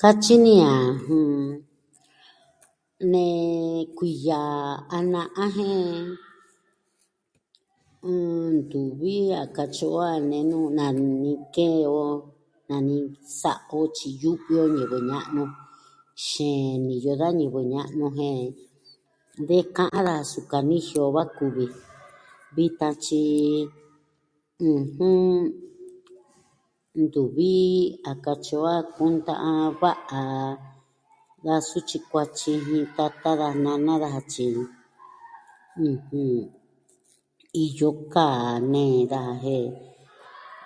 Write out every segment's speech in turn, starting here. Katyi ni a, ɨjɨn, nee kuiya a na'a jen ntuvi a katyi o a nee nu nani kee o, nani sa'a o tyi yu'vi o ñivɨ ña'nu xeen niyo da ñivɨ ña'nu jen de ka'an daja suu kanijia o va kuvi vitan tyi, ɨjɨn, ntuvi a katyi o a kunta'an va'a da sutyi kuatyi jin tata daja, nana daja, tyi, ɨjɨn, iyo kaa nee daja jen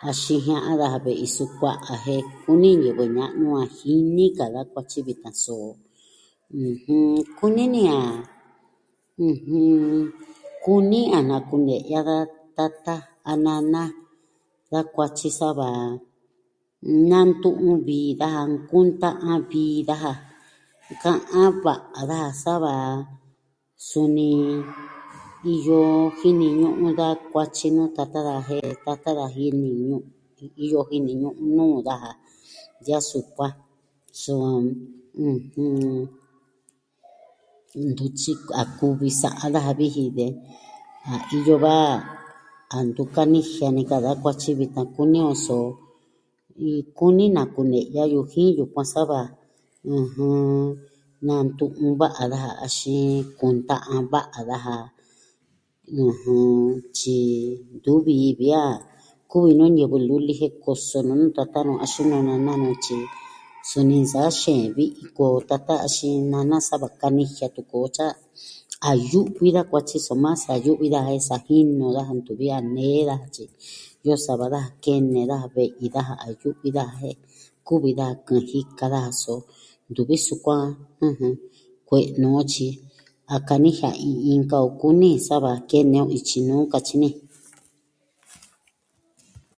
axin jia'a daja ve'i sukua'a jen kuni ñivɨ ña'nu a jini ka da kuatyi vitan, so ɨjɨn, kuni ni a, ɨjɨn, kuni a na kune'ya da tata a nana, da kuatyi sava nantu'un vi daja a kunta'an vi daja. Ka'an va'a daja sa va suni iyo jini ñu'un da kuatyi nuu tata daja jen tata da jini ñuu. Iyo jini ñuu nuu daja de a sukuan. So, ɨjɨn. Ntu sik.. a kuvi sa'a daja viji de, a iyo va a ntu kanijia ni ka da kuatyi vitan kuni o so kuni na kune'ya yujin yukuan sa va, ɨjɨn, nantu'un va'a daja, axin kunta'an va'a daja. ɨjɨn, tyi ntuvi vi a kuvi nu ñivɨ luli jen koso nu tata nu axin nuu nana nu tyi, suni nsaa xeen vi'i koo tata axin nana sa va kanijia tun koo tyi a, a yu'vi da kuatyi soma sa yu'vi daja jen sa jinu daja ntuvi a nee daja, tyi iyo sava daja kene daja ve'i daja a yu'vi daja jen kuvi daja kujika daja, so ntuvi sukuan, ɨjɨn, kue'nu tyi, a kanijia iin inka o kuni sa va kene on ityi nuu katyi ni.